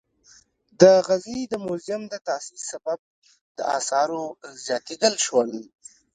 د غزني د موزیم د تاسیس سبب د آثارو زیاتیدل شول.